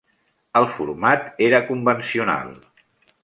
El format era convencional.